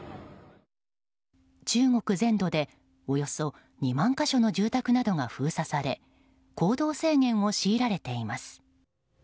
中国全土で、およそ２万か所の住宅などが封鎖され行動制限を強いられています。